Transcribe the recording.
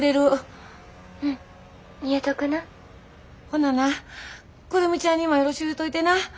ほなな久留美ちゃんにもよろしゅう言うといてな。